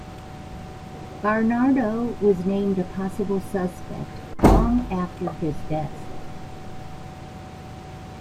Barnardo was named a possible suspect long after his death.